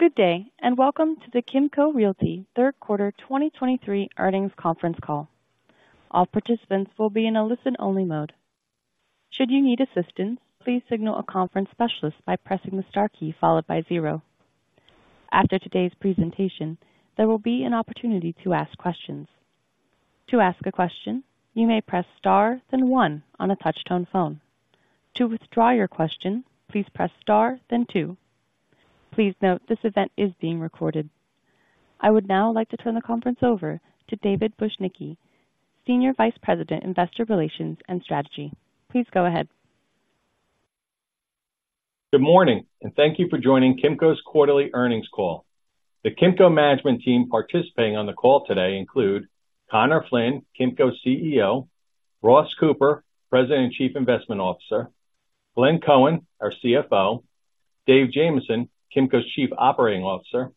Good day, and welcome to the Kimco Realty Third Quarter 2023 Earnings Conference Call. All participants will be in a listen-only mode. Should you need assistance, please signal a conference specialist by pressing the star key followed by zero. After today's presentation, there will be an opportunity to ask questions. To ask a question, you may press star, then one on a touchtone phone. To withdraw your question, please press star then two. Please note this event is being recorded. I would now like to turn the conference over to David Bujnicki, Senior Vice President, Investor Relations and Strategy. Please go ahead. Good morning, and thank you for joining Kimco's quarterly earnings call. The Kimco management team participating on the call today include Conor Flynn, Kimco's CEO, Ross Cooper, President and Chief Investment Officer, Glenn Cohen, our CFO, Dave Jamieson, Kimco's Chief Operating Officer,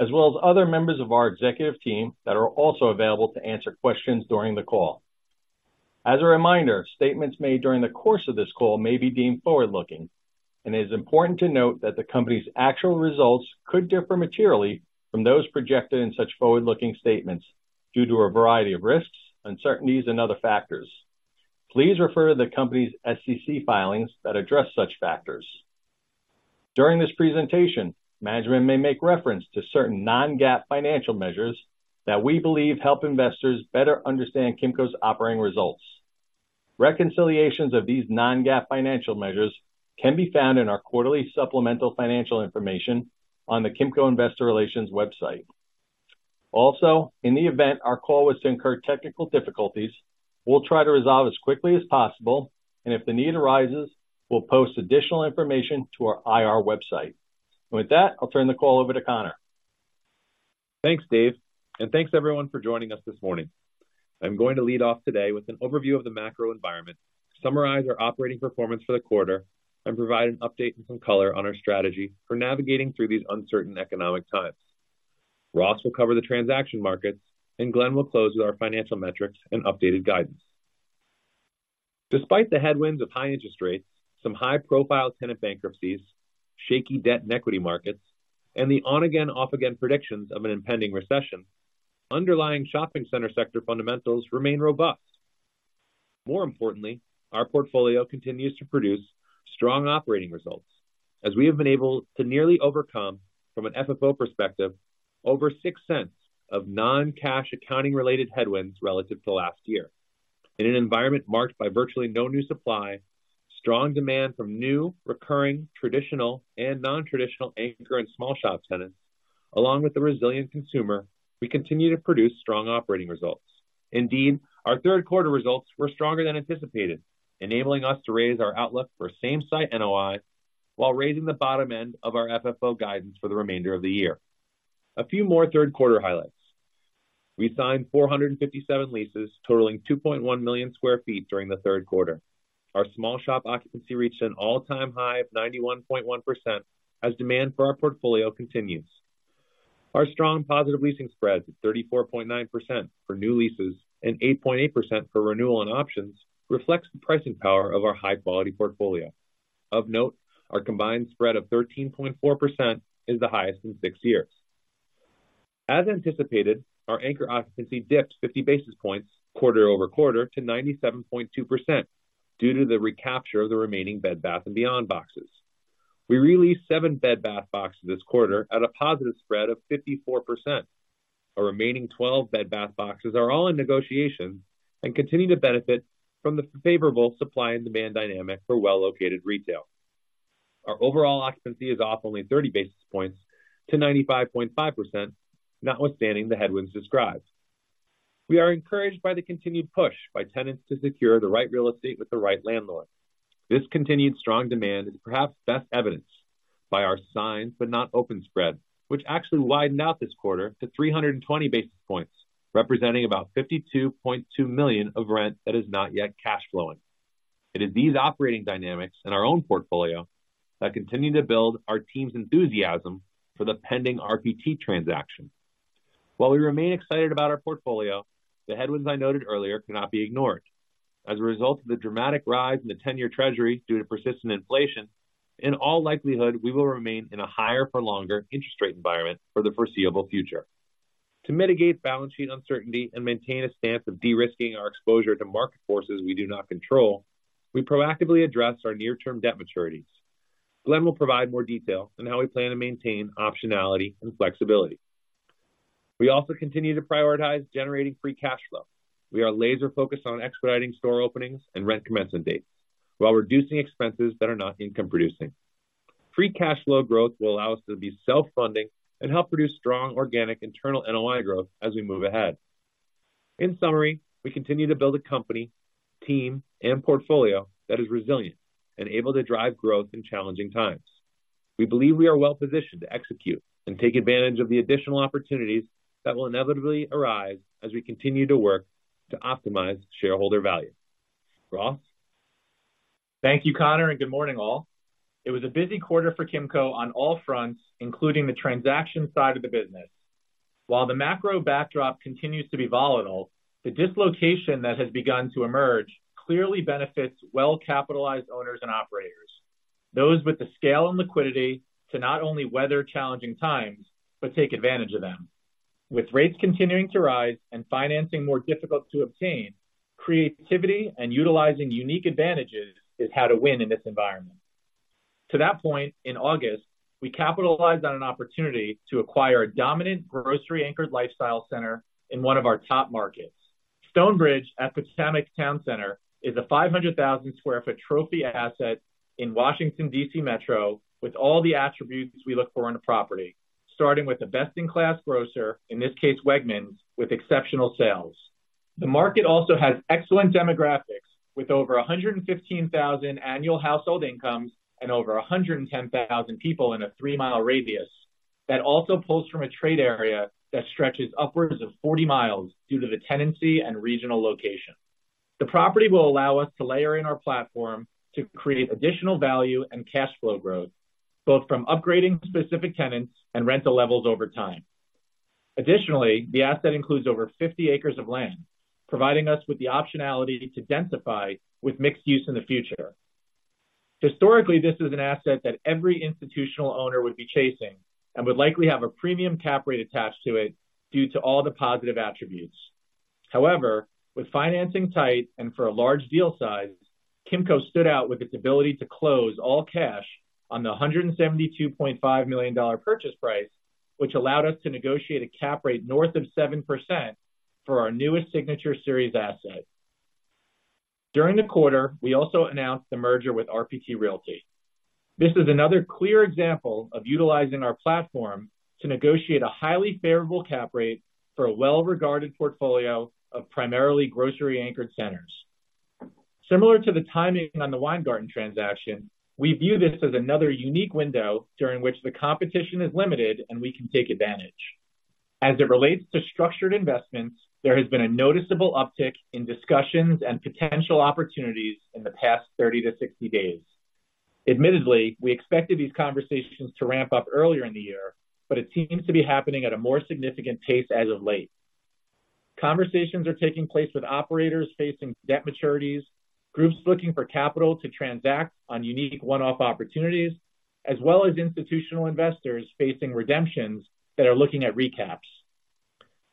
as well as other members of our executive team that are also available to answer questions during the call. As a reminder, statements made during the course of this call may be deemed forward-looking, and it is important to note that the company's actual results could differ materially from those projected in such forward-looking statements due to a variety of risks, uncertainties, and other factors. Please refer to the company's SEC filings that address such factors. During this presentation, management may make reference to certain non-GAAP financial measures that we believe help investors better understand Kimco's operating results. Reconciliations of these non-GAAP financial measures can be found in our quarterly supplemental financial information on the Kimco Investor Relations website. Also, in the event our call was to incur technical difficulties, we'll try to resolve as quickly as possible, and if the need arises, we'll post additional information to our IR website. With that, I'll turn the call over to Conor. Thanks, Dave, and thanks everyone for joining us this morning. I'm going to lead off today with an overview of the macro environment, summarize our operating performance for the quarter, and provide an update and some color on our strategy for navigating through these uncertain economic times. Ross will cover the transaction markets, and Glenn will close with our financial metrics and updated guidance. Despite the headwinds of high interest rates, some high-profile tenant bankruptcies, shaky debt and equity markets, and the on-again, off-again predictions of an impending recession, underlying shopping center sector fundamentals remain robust. More importantly, our portfolio continues to produce strong operating results, as we have been able to nearly overcome, from an FFO perspective, over $0.06 of non-cash accounting-related headwinds relative to last year. In an environment marked by virtually no new supply, strong demand from new, recurring, traditional, and non-traditional anchor and small shop tenants, along with the resilient consumer, we continue to produce strong operating results. Indeed, our third quarter results were stronger than anticipated, enabling us to raise our outlook for same-site NOI while raising the bottom end of our FFO guidance for the remainder of the year. A few more third quarter highlights. We signed 457 leases totaling 2.1 million sq ft during the third quarter. Our small shop occupancy reached an all-time high of 91.1%, as demand for our portfolio continues. Our strong positive leasing spreads of 34.9% for new leases and 8.8% for renewal and options reflects the pricing power of our high-quality portfolio. Of note, our combined spread of 13.4% is the highest in six years. As anticipated, our anchor occupancy dips 50 basis points quarter-over-quarter to 97.2% due to the recapture of the remaining Bed Bath & Beyond boxes. We re-leased seven Bed Bath boxes this quarter at a positive spread of 54%. Our remaining 12 Bed Bath boxes are all in negotiations and continue to benefit from the favorable supply and demand dynamic for well-located retail. Our overall occupancy is off only 30 basis points to 95.5%, notwithstanding the headwinds described. We are encouraged by the continued push by tenants to secure the right real estate with the right landlord. This continued strong demand is perhaps best evidenced by our signed but not open spread, which actually widened out this quarter to 320 basis points, representing about $52.2 million of rent that is not yet cash flowing. It is these operating dynamics in our own portfolio that continue to build our team's enthusiasm for the pending RPT transaction. While we remain excited about our portfolio, the headwinds I noted earlier cannot be ignored. As a result of the dramatic rise in the 10-year Treasury due to persistent inflation, in all likelihood, we will remain in a higher-for-longer interest rate environment for the foreseeable future. To mitigate balance sheet uncertainty and maintain a stance of de-risking our exposure to market forces we do not control, we proactively address our near-term debt maturities. Glenn will provide more detail on how we plan to maintain optionality and flexibility. We also continue to prioritize generating free cash flow. We are laser-focused on expediting store openings and rent commencement dates while reducing expenses that are not income-producing. Free cash flow growth will allow us to be self-funding and help produce strong organic internal NOI growth as we move ahead. In summary, we continue to build a company, team, and portfolio that is resilient and able to drive growth in challenging times. We believe we are well positioned to execute and take advantage of the additional opportunities that will inevitably arise as we continue to work to optimize shareholder value. Ross? Thank you, Conor, and good morning, all. It was a busy quarter for Kimco on all fronts, including the transaction side of the business. While the macro backdrop continues to be volatile, the dislocation that has begun to emerge clearly benefits well-capitalized owners and operators, those with the scale and liquidity to not only weather challenging times, but take advantage of them. With rates continuing to rise and financing more difficult to obtain, creativity and utilizing unique advantages is how to win in this environment. To that point, in August, we capitalized on an opportunity to acquire a dominant grocery-anchored lifestyle center in one of our top markets. Stonebridge at Potomac Town Center is a 500,000 sq ft trophy asset in Washington, D.C. Metro, with all the attributes we look for in a property, starting with the best-in-class grocer, in this case, Wegmans, with exceptional sales. The market also has excellent demographics, with over 115,000 annual household incomes and over 110,000 people in a 3 mi radius. That also pulls from a trade area that stretches upwards of 40 mi due to the tenancy and regional location. The property will allow us to layer in our platform to create additional value and cash flow growth, both from upgrading specific tenants and rental levels over time. Additionally, the asset includes over 50 acres of land, providing us with the optionality to densify with mixed-use in the future. Historically, this is an asset that every institutional owner would be chasing and would likely have a premium cap rate attached to it due to all the positive attributes. However, with financing tight and for a large deal size, Kimco stood out with its ability to close all cash on the $172.5 million purchase price, which allowed us to negotiate a cap rate north of 7% for our newest Signature Series asset. During the quarter, we also announced the merger with RPT Realty. This is another clear example of utilizing our platform to negotiate a highly favorable cap rate for a well-regarded portfolio of primarily grocery anchored centers. Similar to the timing on the Weingarten transaction, we view this as another unique window during which the competition is limited and we can take advantage. As it relates to structured investments, there has been a noticeable uptick in discussions and potential opportunities in the past 30-60 days. Admittedly, we expected these conversations to ramp up earlier in the year, but it seems to be happening at a more significant pace as of late. Conversations are taking place with operators facing debt maturities, groups looking for capital to transact on unique one-off opportunities, as well as institutional investors facing redemptions that are looking at recaps.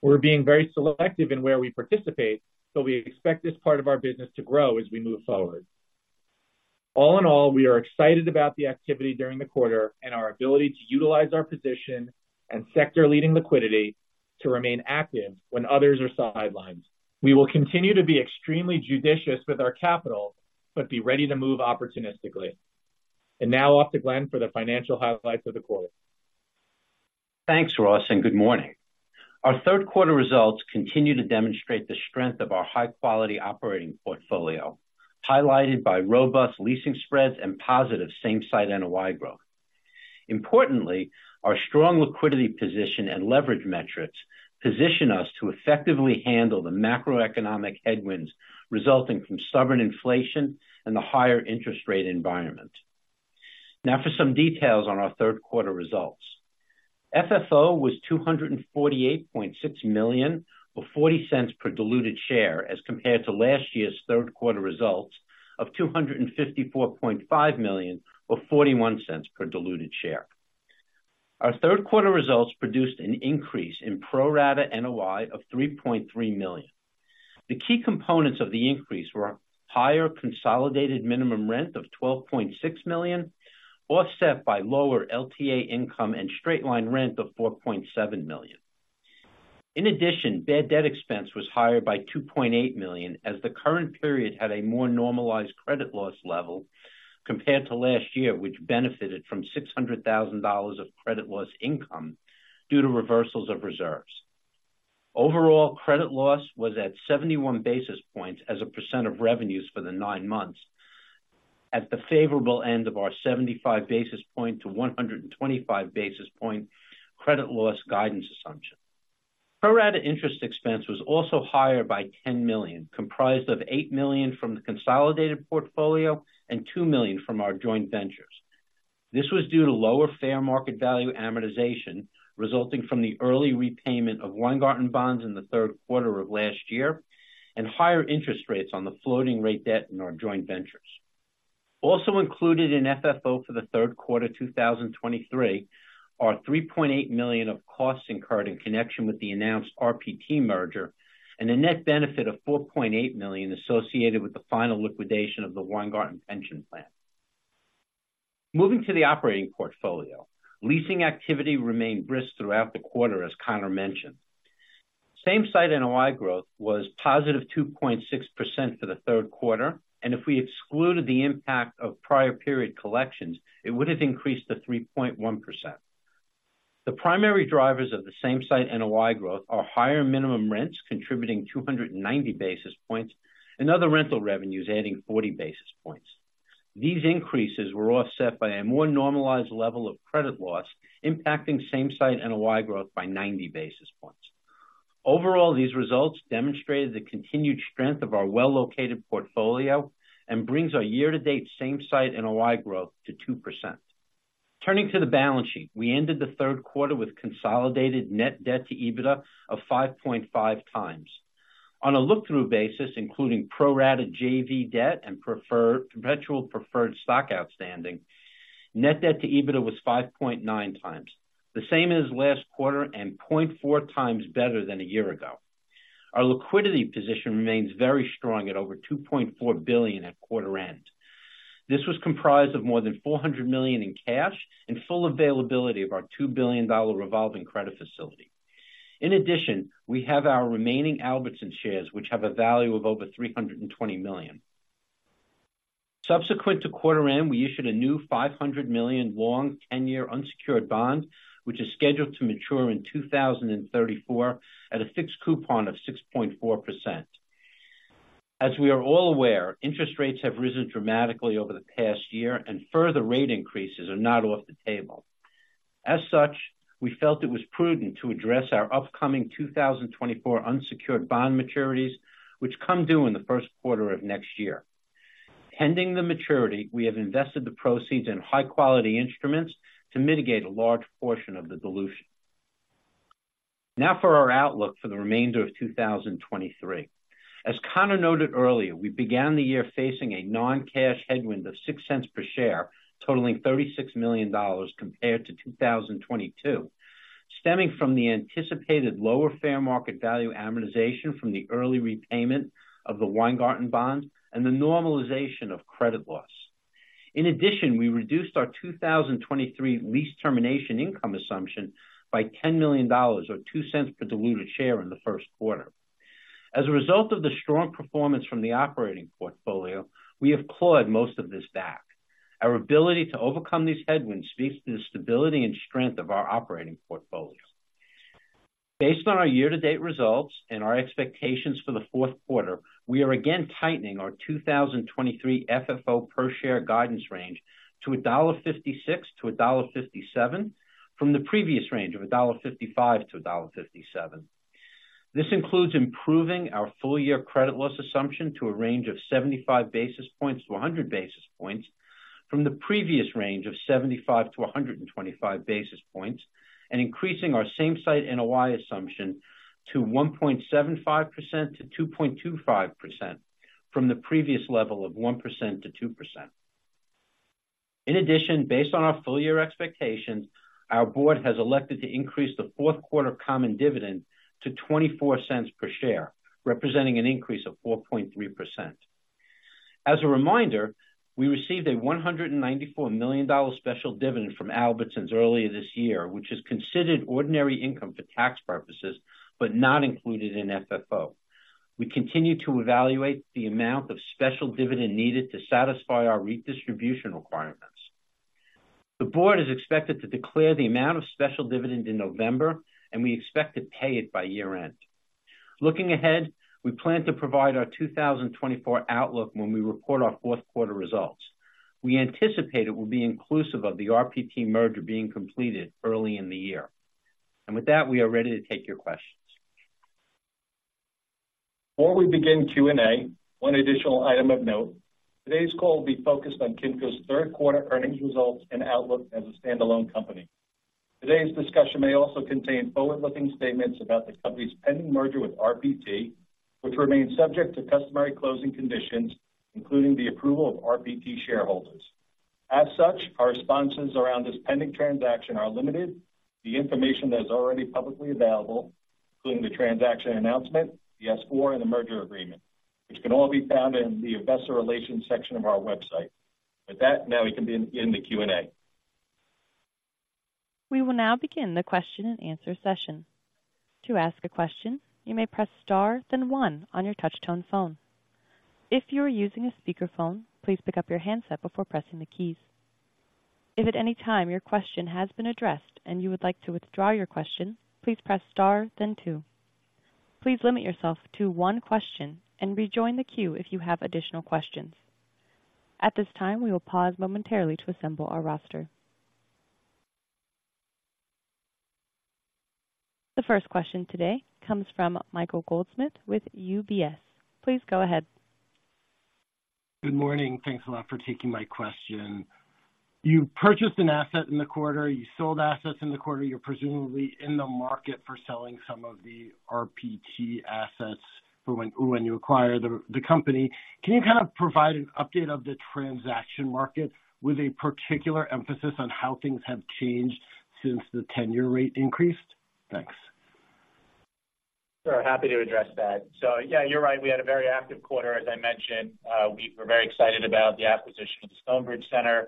We're being very selective in where we participate, so we expect this part of our business to grow as we move forward. All in all, we are excited about the activity during the quarter and our ability to utilize our position and sector-leading liquidity to remain active when others are on the sidelines. We will continue to be extremely judicious with our capital, but be ready to move opportunistically. Now over to Glenn for the financial highlights of the quarter. Thanks, Ross, and good morning. Our third quarter results continue to demonstrate the strength of our high quality operating portfolio, highlighted by robust leasing spreads and positive same-site NOI growth. Importantly, our strong liquidity position and leverage metrics position us to effectively handle the macroeconomic headwinds resulting from stubborn inflation and the higher interest rate environment. Now for some details on our third quarter results. FFO was $248.6 million, or $0.40 per diluted share, as compared to last year's third quarter results of $254.5 million, or $0.41 per diluted share. Our third quarter results produced an increase in pro rata NOI of $3.3 million. The key components of the increase were higher consolidated minimum rent of $12.6 million, offset by lower LTA income and straight line rent of $4.7 million. In addition, bad debt expense was higher by $2.8 million, as the current period had a more normalized credit loss level compared to last year, which benefited from $600,000 of credit loss income due to reversals of reserves. Overall, credit loss was at 71 basis points as a percent of revenues for the nine months, at the favorable end of our 75 basis points-125 basis points credit loss guidance assumption. Pro rata interest expense was also higher by $10 million, comprised of $8 million from the consolidated portfolio and $2 million from our joint ventures. This was due to lower fair market value amortization, resulting from the early repayment of Weingarten bonds in the third quarter of last year, and higher interest rates on the floating rate debt in our joint ventures. Also included in FFO for the third quarter 2023 are $3.8 million of costs incurred in connection with the announced RPT merger, and a net benefit of $4.8 million associated with the final liquidation of the Weingarten pension plan. Moving to the operating portfolio, leasing activity remained brisk throughout the quarter, as Conor mentioned. Same-Site NOI growth was +2.6% for the third quarter, and if we excluded the impact of prior period collections, it would have increased to 3.1%. The primary drivers of the Same-Site NOI growth are higher minimum rents, contributing 290 basis points, and other rental revenues adding 40 basis points. These increases were offset by a more normalized level of credit loss, impacting Same-Site NOI growth by 90 basis points. Overall, these results demonstrated the continued strength of our well-located portfolio and brings our year-to-date same-site NOI growth to 2%. Turning to the balance sheet. We ended the third quarter with consolidated net debt to EBITDA of 5.5x. On a look-through basis, including pro rata JV debt and preferred and perpetual preferred stock outstanding, net debt to EBITDA was 5.9x, the same as last quarter and 0.4x better than a year ago. Our liquidity position remains very strong at over $2.4 billion at quarter end. This was comprised of more than $400 million in cash and full availability of our $2 billion revolving credit facility. In addition, we have our remaining Albertsons shares, which have a value of over $320 million. Subsequent to quarter end, we issued a new $500 million, 10-year unsecured bond, which is scheduled to mature in 2034 at a fixed coupon of 6.4%. As we are all aware, interest rates have risen dramatically over the past year, and further rate increases are not off the table. As such, we felt it was prudent to address our upcoming 2024 unsecured bond maturities, which come due in the first quarter of next year. Pending the maturity, we have invested the proceeds in high quality instruments to mitigate a large portion of the dilution. Now for our outlook for the remainder of 2023. As Conor noted earlier, we began the year facing a non-cash headwind of $0.06 per share, totaling $36 million compared to 2022, stemming from the anticipated lower fair market value amortization from the early repayment of the Weingarten bond and the normalization of credit loss. In addition, we reduced our 2023 lease termination income assumption by $10 million, or $0.02 per diluted share in the first quarter. As a result of the strong performance from the operating portfolio, we have clawed most of this back. Our ability to overcome these headwinds speaks to the stability and strength of our operating portfolio. Based on our year-to-date results and our expectations for the fourth quarter, we are again tightening our 2023 FFO per share guidance range to $1.56-$1.57 from the previous range of $1.55-$1.57. This includes improving our full year credit loss assumption to a range of 75-100 basis points from the previous range of 75-125 basis points, and increasing our Same-Site NOI assumption to 1.75%-2.25% from the previous level of 1%-2%. In addition, based on our full year expectations, our board has elected to increase the fourth quarter common dividend to $0.24 per share, representing an increase of 4.3%. As a reminder, we received a $194 million special dividend from Albertsons earlier this year, which is considered ordinary income for tax purposes, but not included in FFO. We continue to evaluate the amount of special dividend needed to satisfy our redistribution requirements. The board is expected to declare the amount of special dividend in November, and we expect to pay it by year-end. Looking ahead, we plan to provide our 2024 outlook when we report our fourth quarter results. We anticipate it will be inclusive of the RPT merger being completed early in the year. And with that, we are ready to take your questions. Before we begin Q&A, one additional item of note. Today's call will be focused on Kimco's third quarter earnings results and outlook as a standalone company. Today's discussion may also contain forward-looking statements about the company's pending merger with RPT, which remains subject to customary closing conditions, including the approval of RPT shareholders. As such, our responses around this pending transaction are limited. The information that is already publicly available, including the transaction announcement, the S-4, and the merger agreement, which can all be found in the investor relations section of our website. With that, now we can begin the Q&A. We will now begin the question-and-answer session. To ask a question, you may press star, then one on your touchtone phone. If you are using a speakerphone, please pick up your handset before pressing the keys. If at any time your question has been addressed and you would like to withdraw your question, please press star then two. Please limit yourself to one question and rejoin the queue if you have additional questions. At this time, we will pause momentarily to assemble our roster. The first question today comes from Michael Goldsmith with UBS. Please go ahead. Good morning. Thanks a lot for taking my question. You purchased an asset in the quarter, you sold assets in the quarter. You're presumably in the market for selling some of the RPT assets for when you acquire the company. Can you kind of provide an update of the transaction market with a particular emphasis on how things have changed since the ten-year rate increased? Thanks. Sure. Happy to address that. So yeah, you're right, we had a very active quarter. As I mentioned, we were very excited about the acquisition of the Stonebridge Center.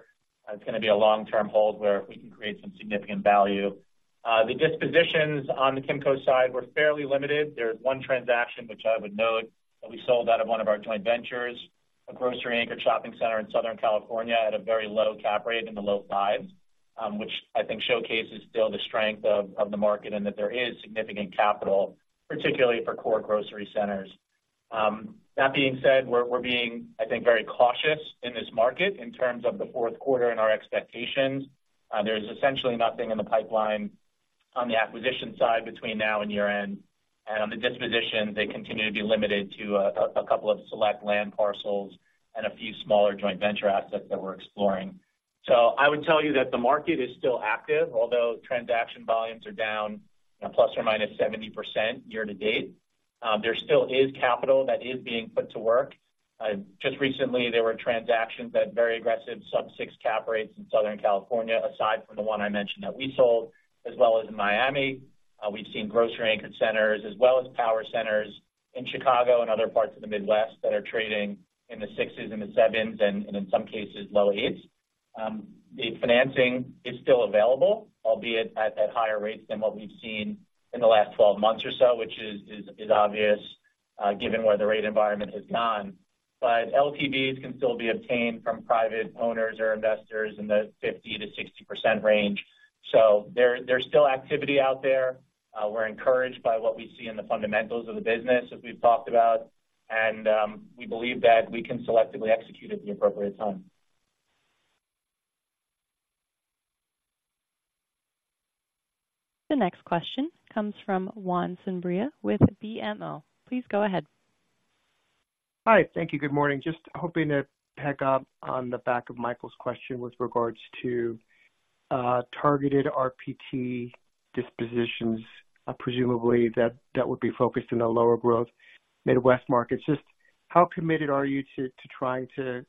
It's gonna be a long-term hold where we can create some significant value. The dispositions on the Kimco side were fairly limited. There's one transaction, which I would note, that we sold out of one of our joint ventures, a grocery anchor shopping center in Southern California, at a very low cap rate in the low fives, which I think showcases still the strength of the market and that there is significant capital, particularly for core grocery centers. That being said, we're being, I think, very cautious in this market in terms of the fourth quarter and our expectations. There's essentially nothing in the pipeline on the acquisition side between now and year-end. And on the disposition, they continue to be limited to a couple of select land parcels and a few smaller joint venture assets that we're exploring. So I would tell you that the market is still active, although transaction volumes are down ±70% year-to-date. There still is capital that is being put to work. Just recently, there were transactions at very aggressive sub-6 cap rates in Southern California, aside from the one I mentioned that we sold, as well as in Miami. We've seen grocery-anchored centers as well as power centers in Chicago and other parts of the Midwest that are trading in the 6s and the 7s, and in some cases, low 8s. The financing is still available, albeit at higher rates than what we've seen in the last 12 months or so, which is obvious, given where the rate environment has gone. But LTVs can still be obtained from private owners or investors in the 50%-60% range. So there's still activity out there. We're encouraged by what we see in the fundamentals of the business, as we've talked about, and we believe that we can selectively execute at the appropriate time. The next question comes from Juan Sanabria with BMO. Please go ahead. Hi. Thank you. Good morning. Just hoping to pick up on the back of Michael's question with regards to targeted RPT dispositions, presumably that would be focused in the lower growth Midwest markets. Just how committed are you to trying to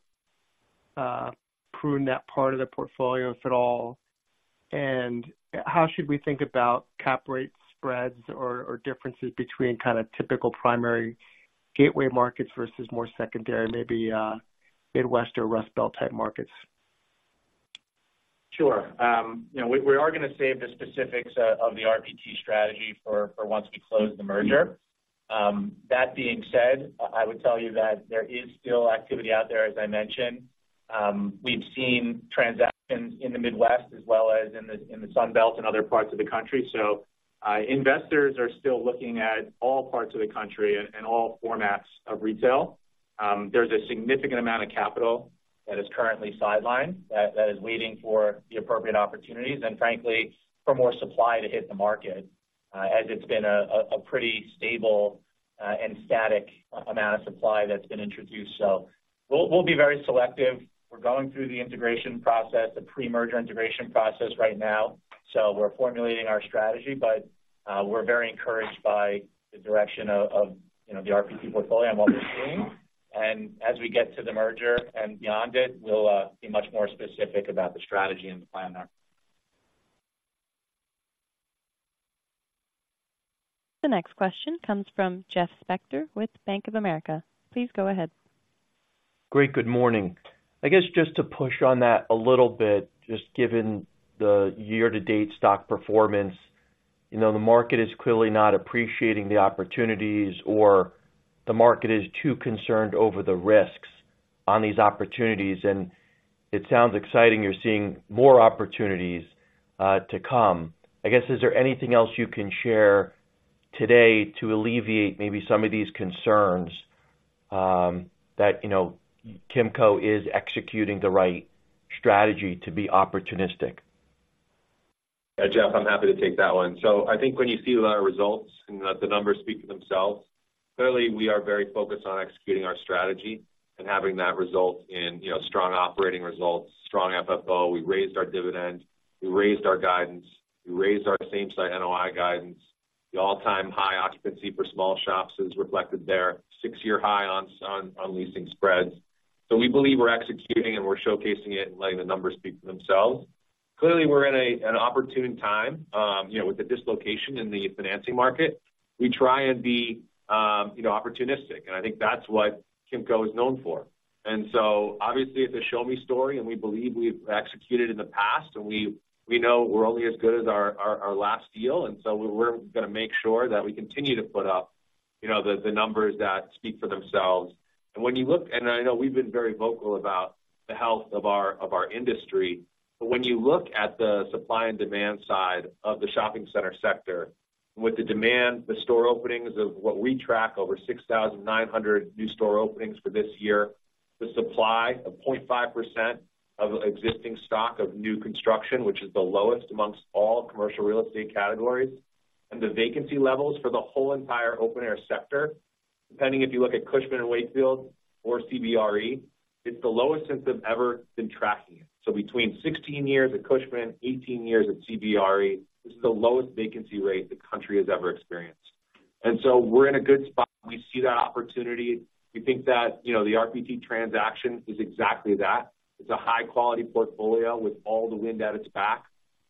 prune that part of the portfolio, if at all? And how should we think about cap rate spreads or differences between kind of typical primary gateway markets versus more secondary, maybe, Midwest or Rust Belt type markets? Sure. You know, we are gonna save the specifics of the RPT strategy for once we close the merger. That being said, I would tell you that there is still activity out there, as I mentioned. We've seen transactions in the Midwest as well as in the Sun Belt and other parts of the country. So, investors are still looking at all parts of the country and all formats of retail. There's a significant amount of capital that is currently sidelined, that is waiting for the appropriate opportunities, and frankly, for more supply to hit the market, as it's been a pretty stable and static amount of supply that's been introduced. So we'll be very selective. We're going through the integration process, the pre-merger integration process right now, so we're formulating our strategy. But, we're very encouraged by the direction of, you know, the RPT portfolio and what we're seeing. As we get to the merger and beyond it, we'll be much more specific about the strategy and the plan there. The next question comes from Jeff Spector with Bank of America. Please go ahead. Great. Good morning. I guess just to push on that a little bit, just given the year-to-date stock performance, you know, the market is clearly not appreciating the opportunities, or the market is too concerned over the risks on these opportunities. And it sounds exciting you're seeing more opportunities to come. I guess, is there anything else you can share today to alleviate maybe some of these concerns that you know Kimco is executing the right strategy to be opportunistic? Yeah, Jeff, I'm happy to take that one. So I think when you see our results, and the numbers speak for themselves, clearly we are very focused on executing our strategy and having that result in, you know, strong operating results, strong FFO. We raised our dividend, we raised our guidance, we raised our same-site NOI guidance. The all-time high occupancy for small shops is reflected there, six-year high on leasing spreads. So we believe we're executing, and we're showcasing it and letting the numbers speak for themselves. Clearly, we're in an opportune time, you know, with the dislocation in the financing market. We try and be, you know, opportunistic, and I think that's what Kimco is known for. And so obviously, it's a show me story, and we believe we've executed in the past, and we know we're only as good as our last deal, and so we're gonna make sure that we continue to put up, you know, the numbers that speak for themselves. And when you look—and I know we've been very vocal about the health of our, of our industry, but when you look at the supply and demand side of the shopping center sector, with the demand, the store openings of what we track, over 6,900 new store openings for this year, the supply of 0.5% of existing stock of new construction, which is the lowest among all commercial real estate categories, and the vacancy levels for the whole entire open-air sector, depending if you look at Cushman & Wakefield or CBRE, it's the lowest since they've ever been tracking it. So between 16 years at Cushman, 18 years at CBRE, this is the lowest vacancy rate the country has ever experienced. And so we're in a good spot. We see that opportunity. We think that, you know, the RPT transaction is exactly that. It's a high-quality portfolio with all the wind at its back,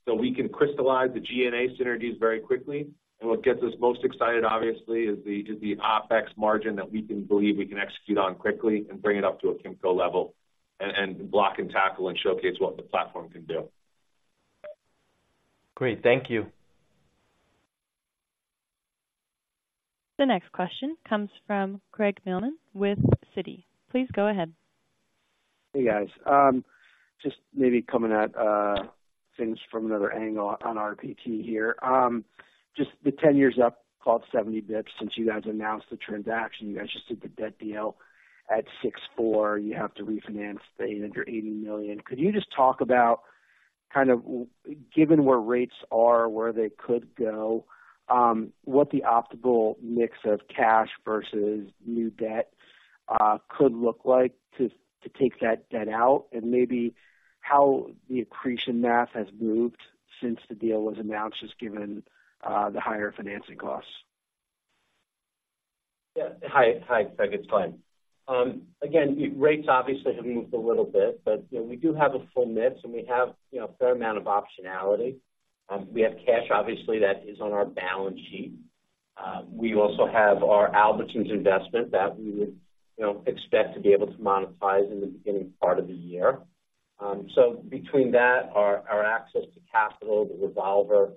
so we can crystallize the G&A synergies very quickly. What gets us most excited, obviously, is the OpEx margin that we can believe we can execute on quickly and bring it up to a Kimco level, and block and tackle and showcase what the platform can do. Great. Thank you. The next question comes from Craig Mailman with Citi. Please go ahead. Hey, guys. Just maybe coming at things from another angle on RPT here. Just the 10-year up called 70 basis points since you guys announced the transaction, you guys just did the debt deal at 6.4. You have to refinance the under $80 million. Could you just talk about kind of, given where rates are, where they could go, what the optimal mix of cash versus new debt could look like to take that debt out? And maybe how the accretion math has moved since the deal was announced, just given the higher financing costs? Yeah. Hi, hi, Doug, it's Glenn. Again, rates obviously have moved a little bit, but, you know, we do have a full mix, and we have, you know, a fair amount of optionality. We have cash, obviously, that is on our balance sheet. We also have our Albertsons investment that we would, you know, expect to be able to monetize in the beginning part of the year. So between that, our access to capital, the revolver,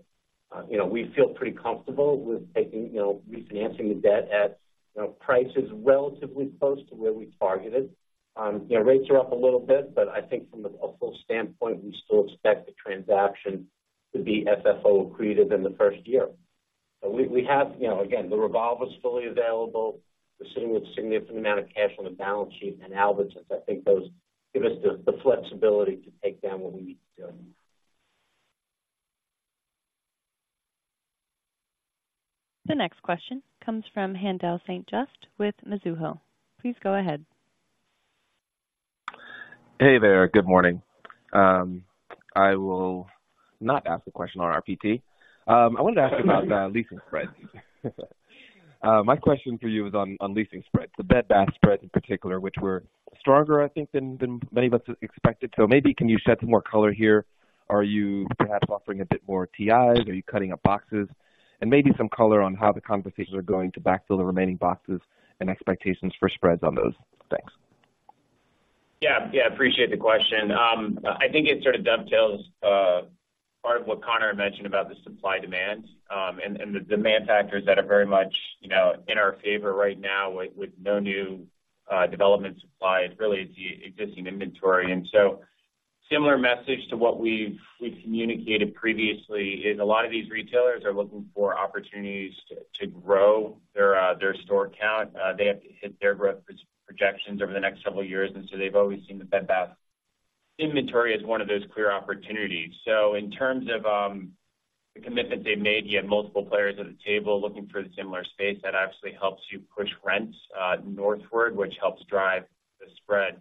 you know, we feel pretty comfortable with taking, you know, refinancing the debt at, you know, prices relatively close to where we targeted. You know, rates are up a little bit, but I think from a full standpoint, we still expect the transaction to be FFO accretive in the first year. So we have, you know, again, the revolver is fully available. We're sitting with a significant amount of cash on the balance sheet and Albertsons. I think those give us the flexibility to take down what we need to. The next question comes from Haendel St. Juste with Mizuho. Please go ahead. Hey there. Good morning. I will not ask a question on RPT. I wanted to ask about the leasing spreads. My question for you is on, on leasing spreads, the Bed Bath & Beyond spreads in particular, which were stronger, I think, than, than many of us expected. So maybe can you shed some more color here? Are you perhaps offering a bit more TIs? Are you cutting up boxes? And maybe some color on how the conversations are going to backfill the remaining boxes and expectations for spreads on those. Thanks. Yeah, yeah, appreciate the question. I think it sort of dovetails part of what Conor mentioned about the supply demand and the demand factors that are very much, you know, in our favor right now with no new development supply; it's really the existing inventory. And so similar message to what we've communicated previously is a lot of these retailers are looking for opportunities to grow their their store count. They have to hit their growth projections over the next several years, and so they've always seen the Bed Bath inventory as one of those clear opportunities. So in terms of the commitment they've made, you have multiple players at the table looking for the similar space; that actually helps you push rents northward, which helps drive the spread.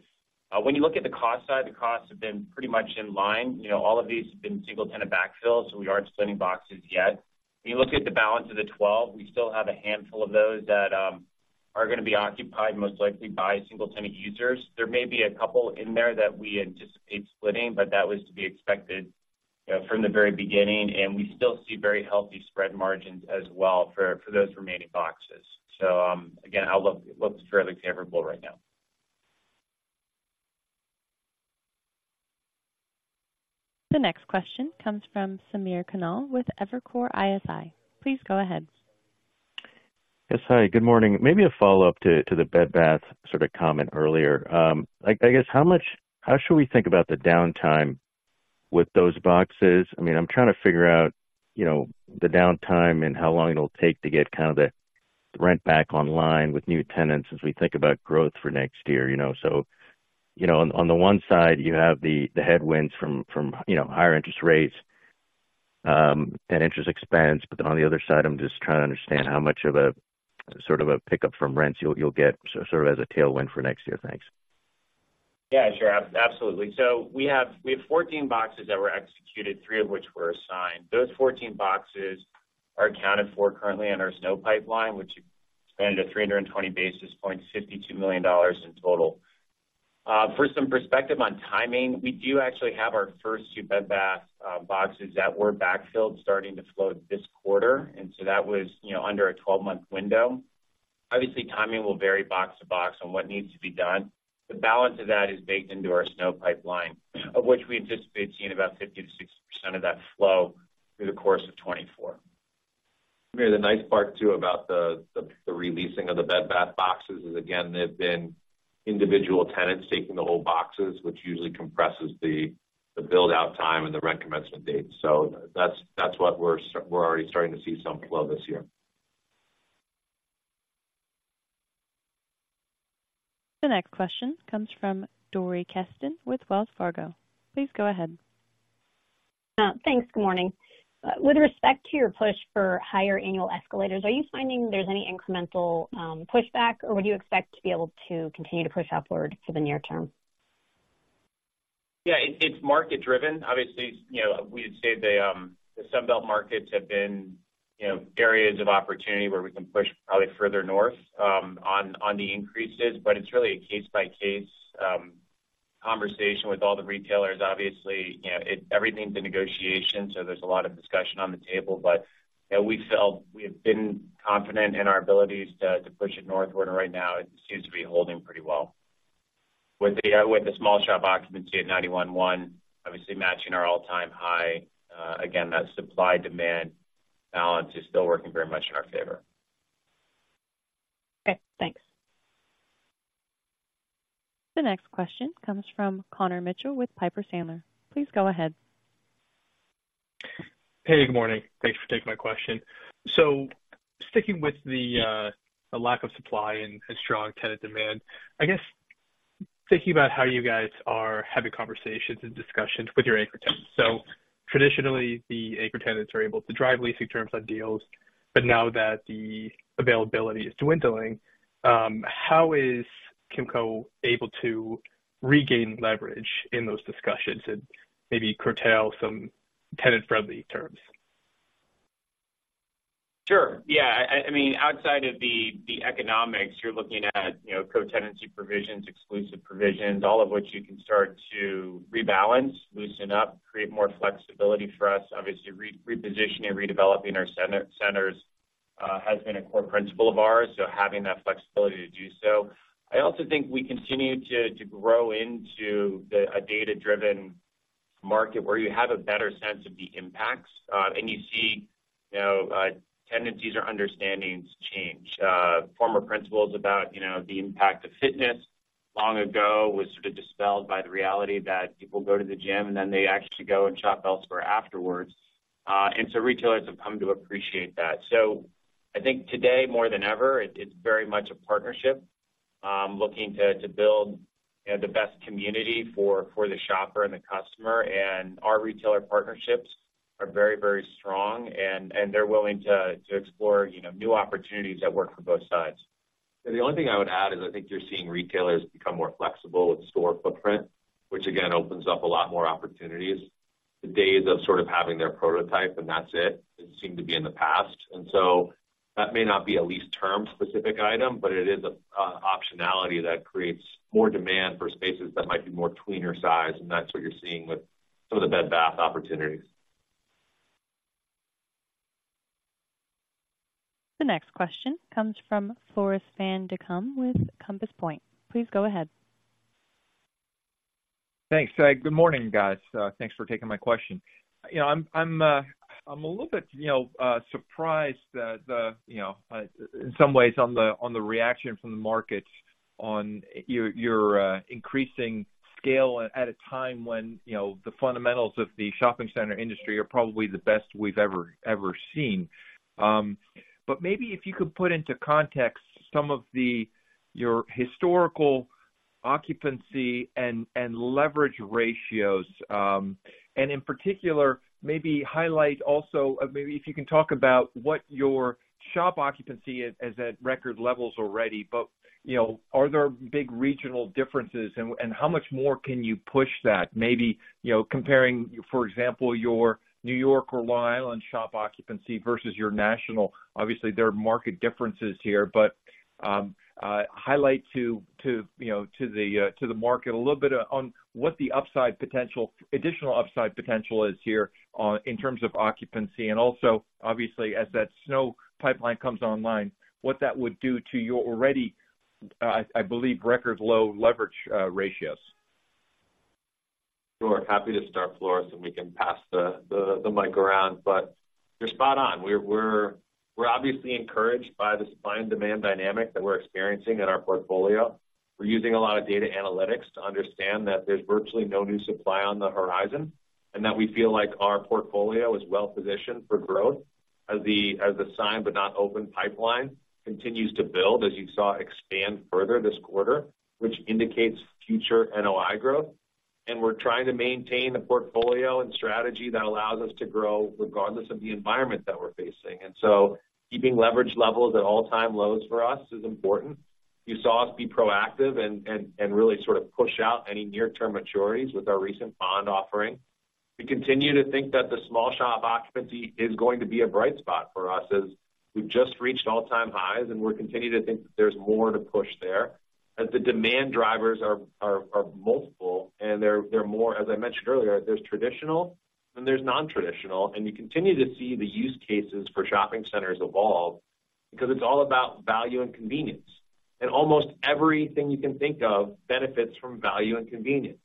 When you look at the cost side, the costs have been pretty much in line. You know, all of these have been single tenant backfills, so we aren't splitting boxes yet. When you look at the balance of the 12, we still have a handful of those that are gonna be occupied, most likely by single tenant users. There may be a couple in there that we anticipate splitting, but that was to be expected, you know, from the very beginning, and we still see very healthy spread margins as well for those remaining boxes. So, again, it looks fairly favorable right now. The next question comes from Samir Khanal with Evercore ISI. Please go ahead. Yes, hi, good morning. Maybe a follow-up to the Bed Bath sort of comment earlier. Like, I guess, how should we think about the downtime with those boxes? I mean, I'm trying to figure out, you know, the downtime and how long it'll take to get kind of the rent back online with new tenants as we think about growth for next year, you know? So, you know, on the one side, you have the headwinds from, you know, higher interest rates and interest expense, but then on the other side, I'm just trying to understand how much of a sort of a pickup from rents you'll get, so sort of as a tailwind for next year. Thanks. Yeah, sure. Absolutely. So we have fourteen boxes that were executed, three of which were assigned. Those fourteen boxes are accounted for currently in our SNO pipeline, which expanded to 320 basis points, $52 million in total. For some perspective on timing, we do actually have our first two Bed Bath boxes that were backfilled starting to flow this quarter, and so that was, you know, under a 12-month window. Obviously, timing will vary box to box on what needs to be done. The balance of that is baked into our SNO pipeline, of which we anticipate seeing about 50%-60% of that flow through the course of 2024. The nice part, too, about the re-leasing of the Bed Bath boxes is, again, they've been individual tenants taking the whole boxes, which usually compresses the build-out time and the rent commencement dates. So that's what we're already starting to see some flow this year. The next question comes from Dori Kesten with Wells Fargo. Please go ahead. Thanks. Good morning. With respect to your push for higher annual escalators, are you finding there's any incremental pushback, or would you expect to be able to continue to push upward for the near term? Yeah, it's market driven. Obviously, you know, we'd say the Sun Belt markets have been, you know, areas of opportunity where we can push probably further north on the increases. But it's really a case by case conversation with all the retailers. Obviously, you know, it- everything's a negotiation, so there's a lot of discussion on the table. But, you know, we felt we have been confident in our abilities to push it northward, and right now it seems to be holding pretty well. With the small shop occupancy at 91.1, obviously matching our all-time high, again, that supply-demand balance is still working very much in our favor. Okay, thanks. The next question comes from Connor Mitchell with Piper Sandler. Please go ahead. Hey, good morning. Thanks for taking my question. So sticking with the lack of supply and strong tenant demand, I guess thinking about how you guys are having conversations and discussions with your anchor tenants. So traditionally, the anchor tenants are able to drive leasing terms on deals, but now that the availability is dwindling, how is Kimco able to regain leverage in those discussions and maybe curtail some tenant-friendly terms? Sure. Yeah, I mean, outside of the economics, you're looking at, you know, co-tenancy provisions, exclusive provisions, all of which you can start to rebalance, loosen up, create more flexibility for us. Obviously, repositioning and redeveloping our center, centers, has been a core principle of ours, so having that flexibility to do so. I also think we continue to grow into a data-driven market where you have a better sense of the impacts, and you see, you know, tendencies or understandings change. Former principles about, you know, the impact of fitness long ago was sort of dispelled by the reality that people go to the gym and then they actually go and shop elsewhere afterwards. And so retailers have come to appreciate that. So I think today, more than ever, it's very much a partnership, looking to build, you know, the best community for the shopper and the customer. And our retailer partnerships are very, very strong and they're willing to explore, you know, new opportunities that work for both sides. The only thing I would add is I think you're seeing retailers become more flexible with store footprint, which again, opens up a lot more opportunities. The days of sort of having their prototype, and that's it, it seemed to be in the past. And so that may not be a lease term specific item, but it is a, optionality that creates more demand for spaces that might be more tweener size, and that's what you're seeing with some of the Bed Bath opportunities. The next question comes from Floris van Dijkum with Compass Point. Please go ahead. Thanks. Good morning, guys. Thanks for taking my question. You know, I'm a little bit, you know, surprised that in some ways the reaction from the markets on your increasing scale at a time when, you know, the fundamentals of the shopping center industry are probably the best we've ever seen. But maybe if you could put into context some of your historical occupancy and leverage ratios, and in particular, maybe highlight also, maybe if you can talk about what your shop occupancy is at record levels already, but, you know, are there big regional differences? And how much more can you push that? Maybe, you know, comparing, for example, your New York or Long Island shop occupancy versus your national. Obviously, there are market differences here, but, highlight to you know to the market a little bit on what the upside potential, additional upside potential is here, in terms of occupancy, and also, obviously, as that SNO pipeline comes online, what that would do to your already, I believe, record low leverage, ratios. Sure. Happy to start, Floris, and we can pass the mic around, but you're spot on. We're obviously encouraged by the supply and demand dynamic that we're experiencing in our portfolio. We're using a lot of data analytics to understand that there's virtually no new supply on the horizon, and that we feel like our portfolio is well-positioned for growth as the signed, but not open pipeline continues to build, as you saw, expand further this quarter, which indicates future NOI growth. And we're trying to maintain a portfolio and strategy that allows us to grow regardless of the environment that we're facing. And so keeping leverage levels at all-time lows for us is important. You saw us be proactive and really sort of push out any near-term maturities with our recent bond offering. We continue to think that the small shop occupancy is going to be a bright spot for us, as we've just reached all-time highs, and we're continuing to think that there's more to push there. As the demand drivers are multiple and they're more, as I mentioned earlier, there's traditional and there's non-traditional, and you continue to see the use cases for shopping centers evolve because it's all about value and convenience. And almost everything you can think of benefits from value and convenience.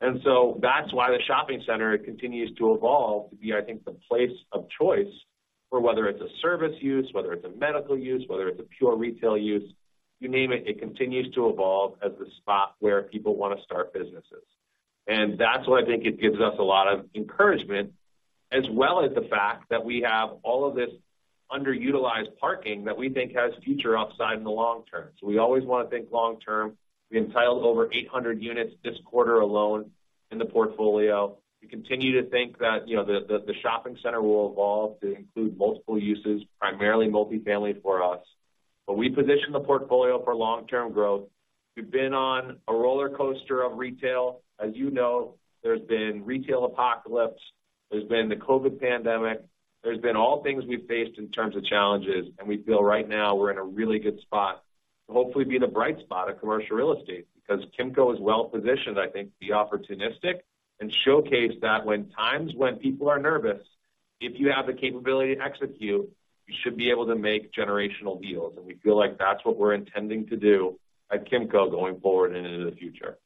And so that's why the shopping center continues to evolve to be, I think, the place of choice for whether it's a service use, whether it's a medical use, whether it's a pure retail use, you name it, it continues to evolve as the spot where people want to start businesses. That's why I think it gives us a lot of encouragement, as well as the fact that we have all of this underutilized parking that we think has future upside in the long term. We always want to think long term. We entitled over 800 units this quarter alone in the portfolio. We continue to think that, you know, the shopping center will evolve to include multiple uses, primarily multifamily for us. We position the portfolio for long-term growth. We've been on a roller coaster of retail. As you know, there's been retail apocalypse, there's been the COVID pandemic, there's been all things we've faced in terms of challenges, and we feel right now we're in a really good spot to hopefully be the bright spot of commercial real estate, because Kimco is well positioned, I think, to be opportunistic and showcase that when times when people are nervous, if you have the capability to execute, you should be able to make generational deals. And we feel like that's what we're intending to do at Kimco going forward and into the future.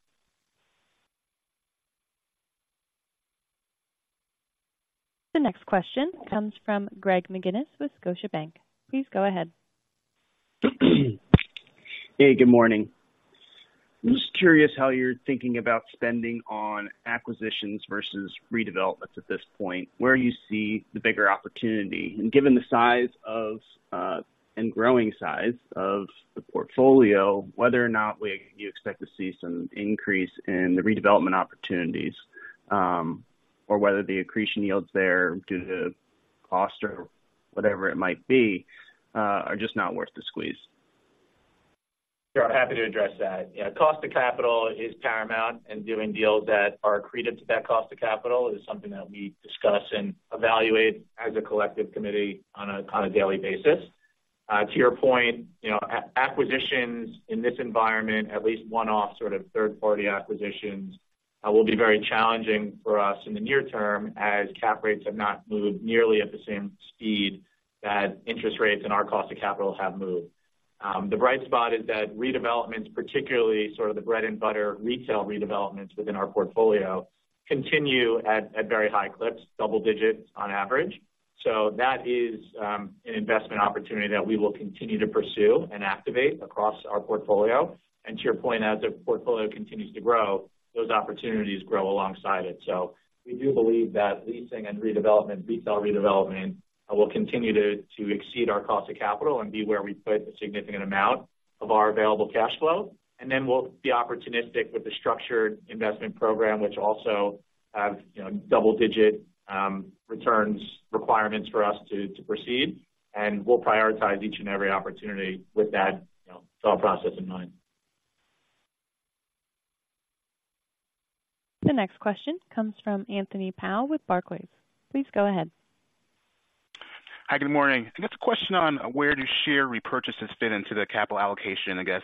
The next question comes from Greg McGinniss with Scotiabank. Please go ahead. Hey, good morning. I'm just curious how you're thinking about spending on acquisitions versus redevelopments at this point, where you see the bigger opportunity, and given the size of, and growing size of the portfolio, whether or not you expect to see some increase in the redevelopment opportunities, or whether the accretion yields there due to cost or whatever it might be, are just not worth the squeeze. Sure, I'm happy to address that. Yeah, cost of capital is paramount, and doing deals that are accretive to that cost of capital is something that we discuss and evaluate as a collective committee on a daily basis. To your point, you know, acquisitions in this environment, at least one-off, sort of third-party acquisitions, will be very challenging for us in the near term, as cap rates have not moved nearly at the same speed that interest rates and our cost of capital have moved. The bright spot is that redevelopments, particularly sort of the bread-and-butter retail redevelopments within our portfolio, continue at very high clips, double digits on average. So that is an investment opportunity that we will continue to pursue and activate across our portfolio. And to your point, as our portfolio continues to grow, those opportunities grow alongside it. So we do believe that leasing and redevelopment, retail redevelopment, will continue to exceed our cost of capital and be where we put a significant amount of our available cash flow. And then we'll be opportunistic with the structured investment program, which also have, you know, double digit returns requirements for us to proceed. And we'll prioritize each and every opportunity with that, you know, thought process in mind. The next question comes from Anthony Powell with Barclays. Please go ahead. Hi, good morning. I got a question on where do share repurchases fit into the capital allocation, I guess,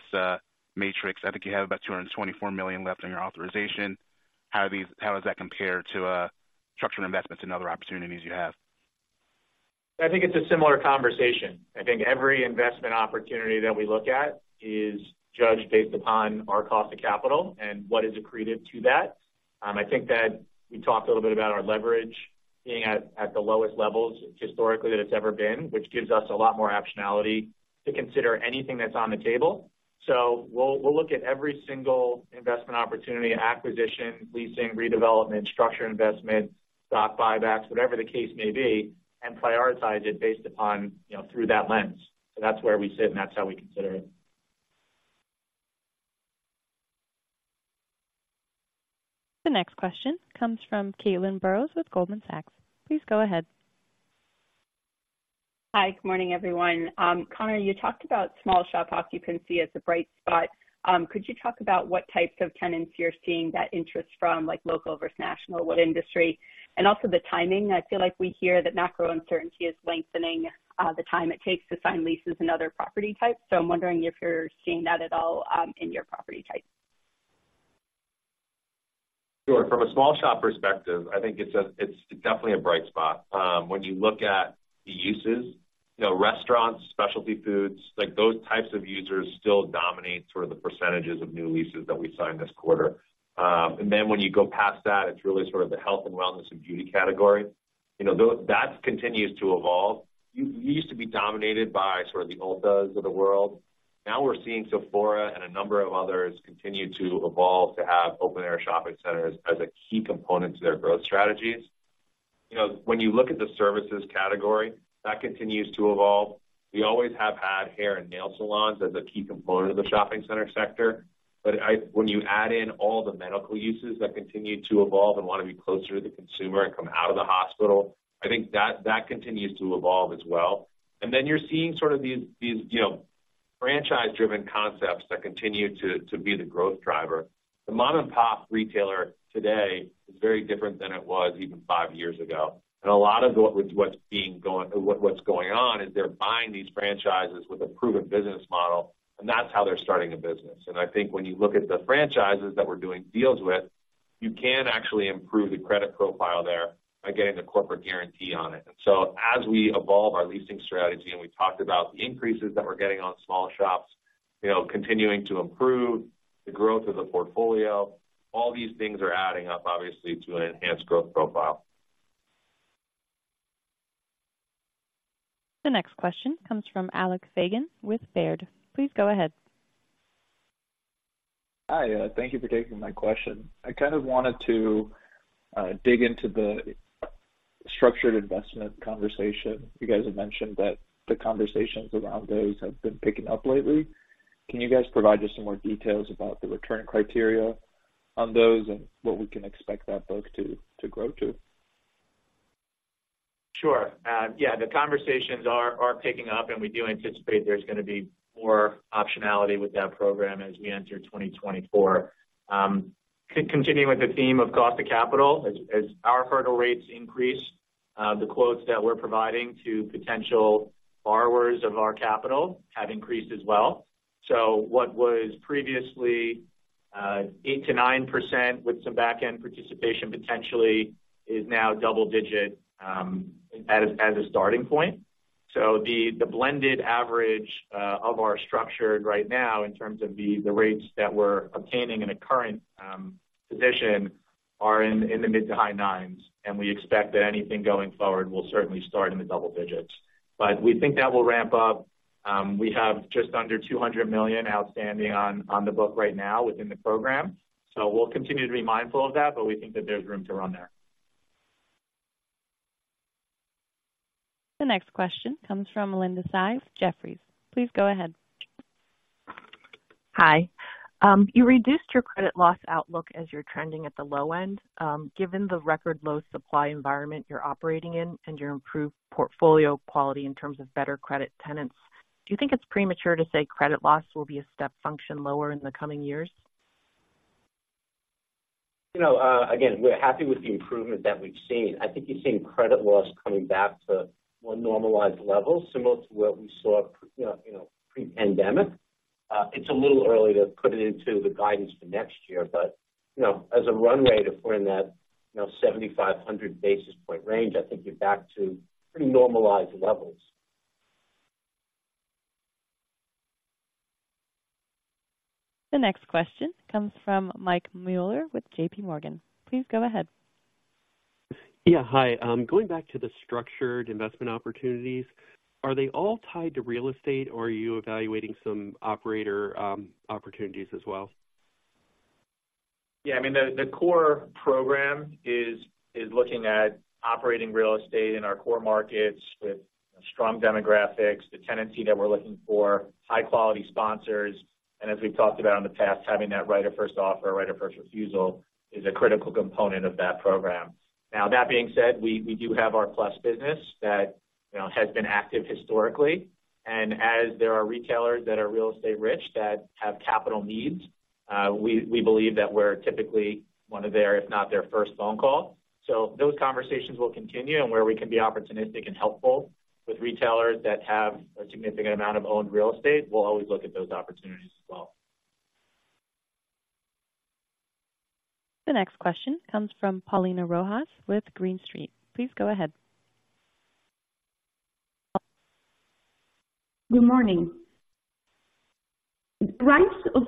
matrix. I think you have about $224 million left on your authorization. How does that compare to structured investments and other opportunities you have? I think it's a similar conversation. I think every investment opportunity that we look at is judged based upon our cost of capital and what is accretive to that. I think that we talked a little bit about our leverage being at the lowest levels historically that it's ever been, which gives us a lot more optionality to consider anything that's on the table. So we'll look at every single investment opportunity, acquisition, leasing, redevelopment, structure investment, stock buybacks, whatever the case may be, and prioritize it based upon, you know, through that lens. So that's where we sit, and that's how we consider it. The next question comes from Caitlin Burrows with Goldman Sachs. Please go ahead. Hi, good morning, everyone. Conor, you talked about small shop occupancy as a bright spot. Could you talk about what types of tenants you're seeing that interest from, like local versus national, what industry? And also the timing. I feel like we hear that macro uncertainty is lengthening the time it takes to sign leases and other property types. So I'm wondering if you're seeing that at all, in your property types. Sure. From a small shop perspective, I think it's a, it's definitely a bright spot. When you look at the uses, you know, restaurants, specialty foods, like those types of users still dominate sort of the percentages of new leases that we signed this quarter. And then when you go past that, it's really sort of the health and wellness and beauty category. You know, that continues to evolve. Used to be dominated by sort of the Ulta of the world. Now we're seeing Sephora and a number of others continue to evolve, to have open-air shopping centers as a key component to their growth strategies. You know, when you look at the services category, that continues to evolve. We always have had hair and nail salons as a key component of the shopping center sector, but I... When you add in all the medical uses that continue to evolve and want to be closer to the consumer and come out of the hospital, I think that, that continues to evolve as well. And then you're seeing sort of these, you know, franchise-driven concepts that continue to be the growth driver. The mom-and-pop retailer today is very different than it was even five years ago, and a lot of what's going on is they're buying these franchises with a proven business model, and that's how they're starting a business. And I think when you look at the franchises that we're doing deals with, you can actually improve the credit profile there by getting the corporate guarantee on it. And so as we evolve our leasing strategy, and we talked about the increases that we're getting on small shops, you know, continuing to improve the growth of the portfolio, all these things are adding up, obviously, to an enhanced growth profile. The next question comes from Alec Feygin with Baird. Please go ahead. Hi, thank you for taking my question. I kind of wanted to dig into the structured investment conversation. You guys have mentioned that the conversations around those have been picking up lately. Can you guys provide just some more details about the return criteria on those, and what we can expect that book to grow to? Sure. Yeah, the conversations are picking up, and we do anticipate there's going to be more optionality with that program as we enter 2024. Continuing with the theme of cost of capital, as our hurdle rates increase, the quotes that we're providing to potential borrowers of our capital have increased as well. So what was previously 8%-9% with some back-end participation potentially is now double-digit as a starting point. So the blended average of our structured right now, in terms of the rates that we're obtaining in a current position, are in the mid- to high-nines, and we expect that anything going forward will certainly start in the double digits. But we think that will ramp up. We have just under $200 million outstanding on the book right now within the program. We'll continue to be mindful of that, but we think that there's room to run there. The next question comes from Linda Tsai, Jefferies. Please go ahead. Hi. You reduced your credit loss outlook as you're trending at the low end. Given the record low supply environment you're operating in and your improved portfolio quality in terms of better credit tenants, do you think it's premature to say credit loss will be a step function lower in the coming years? You know, again, we're happy with the improvement that we've seen. I think you've seen credit loss coming back to more normalized levels, similar to what we saw, you know, you know, pre-pandemic. It's a little early to put it into the guidance for next year, but, you know, as a runway to put in that, you know, 75-100 basis point range, I think you're back to pretty normalized levels. The next question comes from Mike Mueller with JPMorgan. Please go ahead. Yeah, hi. Going back to the structured investment opportunities, are they all tied to real estate, or are you evaluating some operator opportunities as well? Yeah, I mean, the core program is looking at operating real estate in our core markets with strong demographics, the tenancy that we're looking for, high quality sponsors, and as we've talked about in the past, having that right of first offer or right of first refusal is a critical component of that program. Now, that being said, we do have our Plus business that, you know, has been active historically. And as there are retailers that are real estate rich, that have capital needs, we believe that we're typically one of their, if not their first, phone call. So those conversations will continue, and where we can be opportunistic and helpful with retailers that have a significant amount of owned real estate, we'll always look at those opportunities as well. The next question comes from Paulina Rojas with Green Street. Please go ahead. Good morning. The rise of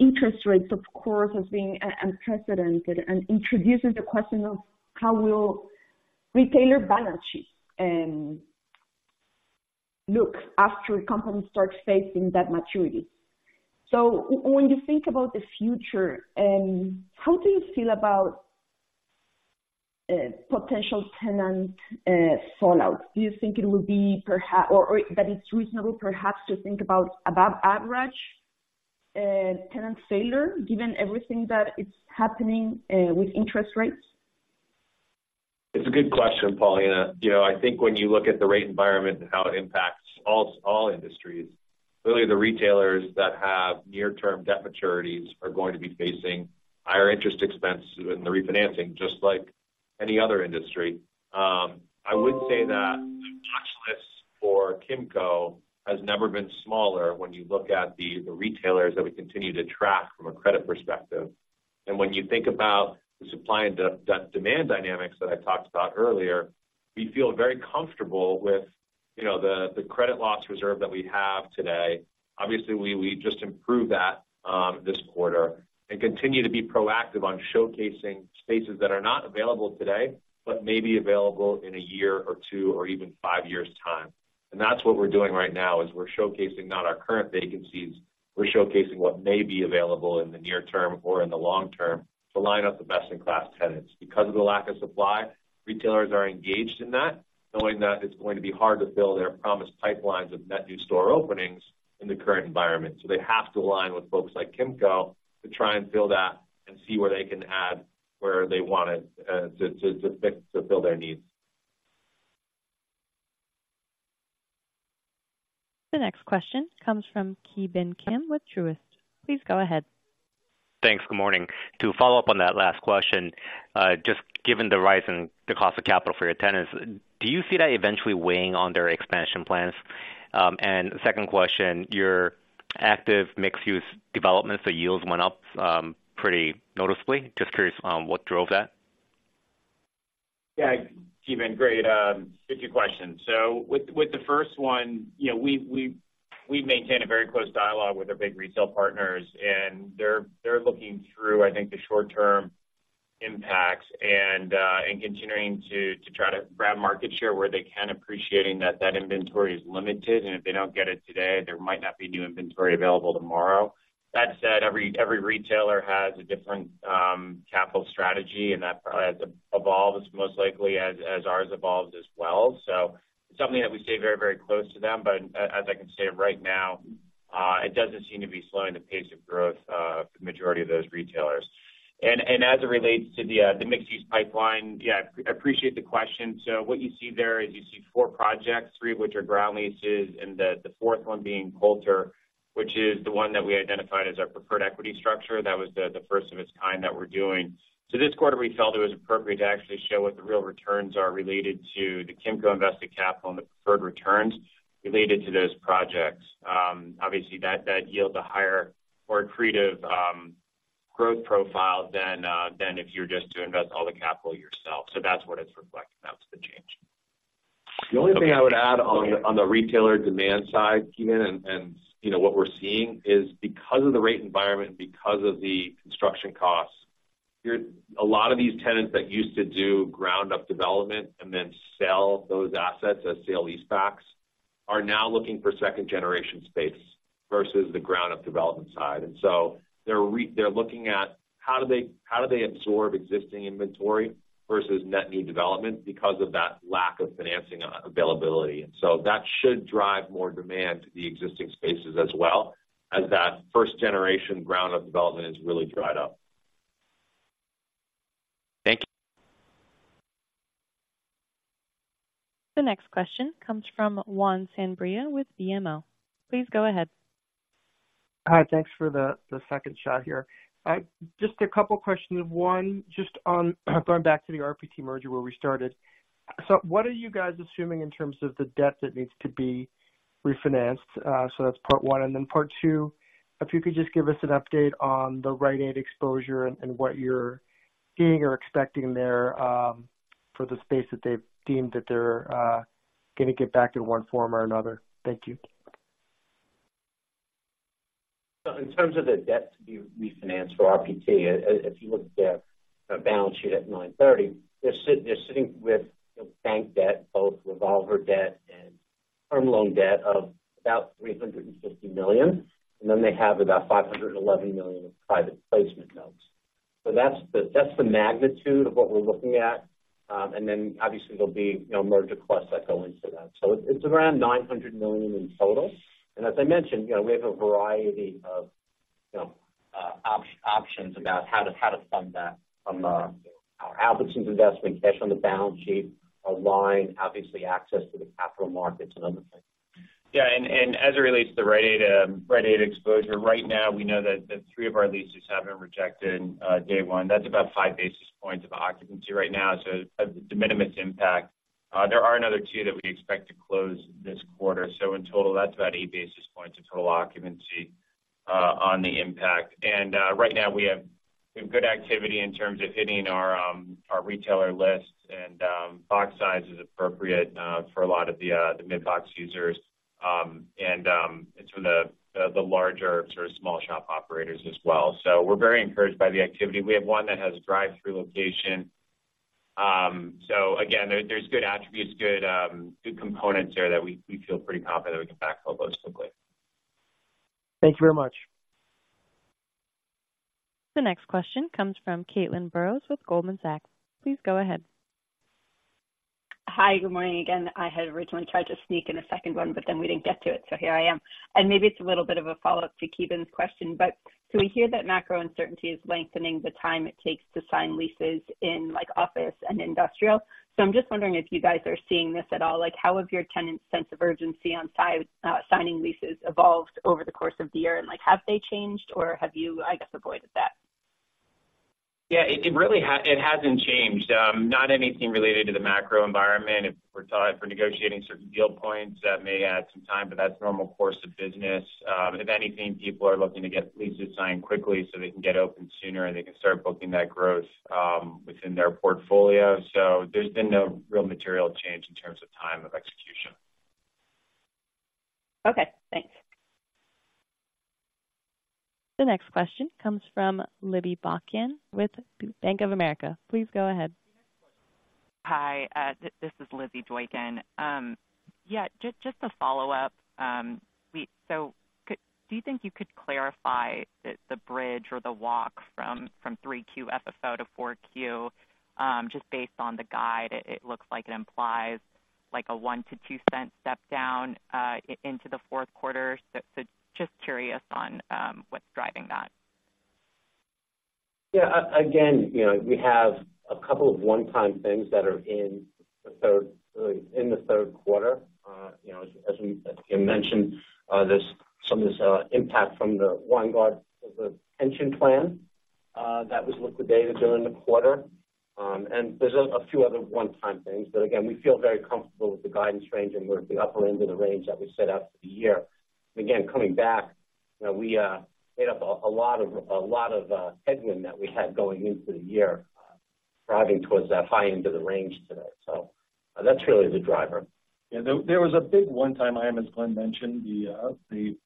interest rates, of course, has been unprecedented and introduces the question of how will retailer balance sheets look after companies start facing that maturity. So when you think about the future, how do you feel about potential tenant fallout? Do you think it will be perhaps or that it's reasonable, perhaps, to think about above average tenant failure, given everything that is happening with interest rates? It's a good question, Paulina. You know, I think when you look at the rate environment and how it impacts all industries, clearly the retailers that have near-term debt maturities are going to be facing higher interest expenses in the refinancing, just like any other industry. I would say that the watch list for Kimco has never been smaller when you look at the retailers that we continue to track from a credit perspective. And when you think about the supply and demand dynamics that I talked about earlier, we feel very comfortable with, you know, the credit loss reserve that we have today. Obviously, we just improved that this quarter and continue to be proactive on showcasing spaces that are not available today, but may be available in a year or two or even five years' time. That's what we're doing right now, is we're showcasing not our current vacancies, we're showcasing what may be available in the near term or in the long term to line up the best-in-class tenants. Because of the lack of supply, retailers are engaged in that, knowing that it's going to be hard to fill their promised pipelines of net new store openings in the current environment. So they have to align with folks like Kimco to try and fill that and see where they can add, where they want to fill their needs. The next question comes from Ki Bin Kim with Truist. Please go ahead. Thanks. Good morning. To follow up on that last question, just given the rise in the cost of capital for your tenants, do you see that eventually weighing on their expansion plans? And second question, your active mixed-use developments, the yields went up, pretty noticeably. Just curious, what drove that? Yeah, Ki Bin, great, good two questions. So with the first one, you know, we maintain a very close dialogue with our big retail partners, and they're looking through, I think, the short-term impacts and continuing to try to grab market share where they can, appreciating that that inventory is limited, and if they don't get it today, there might not be new inventory available tomorrow. That said, every retailer has a different capital strategy, and that has evolved as most likely as ours evolves as well. So it's something that we stay very, very close to them, but as I can say right now, it doesn't seem to be slowing the pace of growth for the majority of those retailers. And as it relates to the mixed-use pipeline, yeah, I appreciate the question. So what you see there is you see four projects, three of which are ground leases, and the, the fourth one being Coulter, which is the one that we identified as our preferred equity structure. That was the, the first of its kind that we're doing. So this quarter, we felt it was appropriate to actually show what the real returns are related to the Kimco invested capital and the preferred returns related to those projects. Obviously, that yields a higher accretive, growth profile than if you're just to invest all the capital yourself. So that's what it's reflecting. That's the change. The only thing I would add on the retailer demand side, Ki Bin, and you know, what we're seeing is because of the rate environment, because of the construction costs, a lot of these tenants that used to do ground-up development and then sell those assets as sale-leasebacks, are now looking for second-generation space versus the ground-up development side. And so they're looking at how do they absorb existing inventory versus net new development because of that lack of financing availability. And so that should drive more demand to the existing spaces as well, as that first-generation ground-up development has really dried up. Thank you. The next question comes from Juan Sanabria with BMO. Please go ahead. Hi, thanks for the second shot here. Just a couple questions. One, just on going back to the RPT merger where we started. So what are you guys assuming in terms of the debt that needs to be refinanced? So that's part one, and then part two, if you could just give us an update on the Rite Aid exposure and what you're seeing or expecting there, for the space that they've deemed that they're going to get back in one form or another. Thank you. So in terms of the debt to be refinanced for RPT, if you look at their balance sheet at $930 million, they're sitting with bank debt, both revolver debt and term loan debt of about $350 million, and then they have about $511 million of private placement notes. So that's the magnitude of what we're looking at. And then obviously, there'll be, you know, merger costs that go into that. So it's around $900 million in total. And as I mentioned, you know, we have a variety of, you know, options about how to fund that from our Albertsons investment, cash on the balance sheet, a line, obviously access to the capital markets and other things. Yeah, as it relates to the Rite Aid exposure, right now, we know that 3 of our leases have been rejected day one. That's about 5 basis points of occupancy right now, so a de minimis impact. There are another two that we expect to close this quarter. So in total, that's about 8 basis points of total occupancy on the impact. Right now we have good activity in terms of hitting our retailer lists and box size is appropriate for a lot of the mid-box users and some of the larger sort of small shop operators as well. So we're very encouraged by the activity. We have one that has a drive-through location. So again, there, there's good attributes, good components there that we feel pretty confident that we can backfill those quickly. Thank you very much. The next question comes from Caitlin Burrows with Goldman Sachs. Please go ahead. Hi, good morning again. I had originally tried to sneak in a second one, but then we didn't get to it, so here I am. And maybe it's a little bit of a follow-up to Ki Bin's question, but so we hear that macro uncertainty is lengthening the time it takes to sign leases in, like, office and industrial. So I'm just wondering if you guys are seeing this at all. Like, how have your tenants' sense of urgency on signing leases evolved over the course of the year? And like, have they changed or have you, I guess, avoided that? Yeah, it really hasn't changed. Not anything related to the macro environment. If we're tied for negotiating certain deal points, that may add some time, but that's normal course of business. If anything, people are looking to get leases signed quickly so they can get open sooner, and they can start booking that growth within their portfolio. So there's been no real material change in terms of time of execution. Okay, thanks. The next question comes from Lizzy Doykan with Bank of America. Please go ahead. Hi, this is Lizzy Doykan. Yeah, just to follow up, so do you think you could clarify the bridge or the walk from 3Q FFO to 4Q, just based on the guide, it looks like it implies like a $0.01-$0.02 step down into the fourth quarter. So just curious on what's driving that? Yeah, again, you know, we have a couple of one-time things that are in the third quarter. You know, as we, as Conor mentioned, there's some of this impact from the Weingarten, the pension plan. That was liquidated during the quarter. And there's a few other one-time things. But again, we feel very comfortable with the guidance range, and we're at the upper end of the range that we set out for the year. Again, coming back, you know, we made up a lot of headwind that we had going into the year, driving towards that high end of the range today. So that's really the driver. Yeah, there was a big one-time item, as Glenn mentioned, the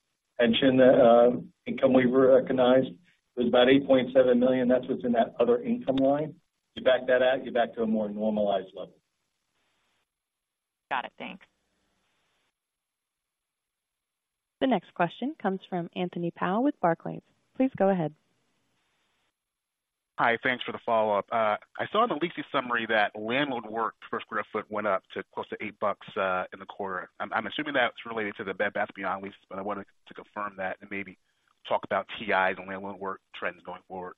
pension income we recognized. It was about $8.7 million. That's what's in that other income line. You back that out, you're back to a more normalized level. Got it. Thanks. The next question comes from Anthony Powell with Barclays. Please go ahead. Hi, thanks for the follow-up. I saw in the leasing summary that landlord work per sq ft went up to close to $8 in the quarter. I'm assuming that's related to the Bed Bath & Beyond leases, but I wanted to confirm that and maybe talk about TIs and landlord work trends going forward.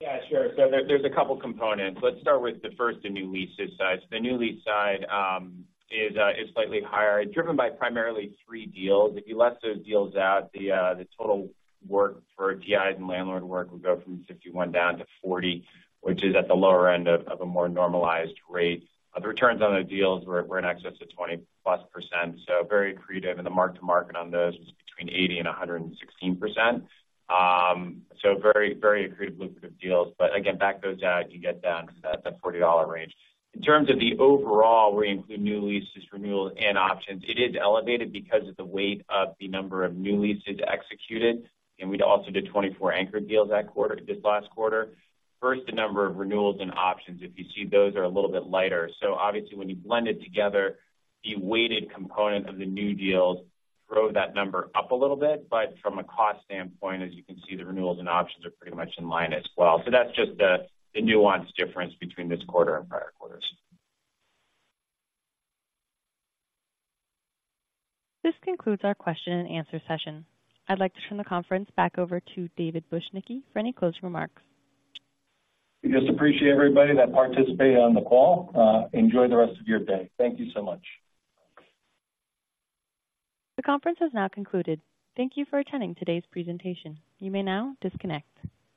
Yeah, sure. So there, there's a couple components. Let's start with the first, the new leases side. So the new lease side is slightly higher. It's driven by primarily three deals. If you left those deals out, the total work for TIs and landlord work would go from $51 down to $40, which is at the lower end of a more normalized rate. The returns on the deals were in excess of 20%+, so very accretive, and the mark-to-market on those was between 80% and 116%. So very, very accretive lucrative deals. But again, that goes out, you get down to that $40 range. In terms of the overall, where you include new leases, renewals, and options, it is elevated because of the weight of the number of new leases executed, and we'd also did 24 anchor deals that quarter, this last quarter. First, the number of renewals and options, if you see, those are a little bit lighter. So obviously, when you blend it together, the weighted component of the new deals drove that number up a little bit, but from a cost standpoint, as you can see, the renewals and options are pretty much in line as well. So that's just the nuance difference between this quarter and prior quarters. This concludes our question and answer session. I'd like to turn the conference back over to David Bujnicki for any closing remarks. We just appreciate everybody that participated on the call. Enjoy the rest of your day. Thank you so much. The conference has now concluded. Thank you for attending today's presentation. You may now disconnect.